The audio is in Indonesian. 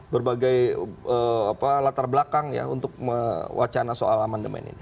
berbagai latar belakang ya untuk mewacana soal mandemain ini